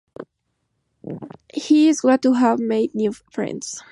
He is glad to have made new friends.